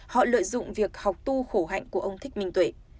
họ lợi dụng việc học tu khổ hạnh của ông thích minh tuổi